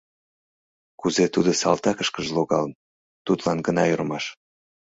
Кузе тудо салтакышкыже логалын, тудлан гына ӧрмаш.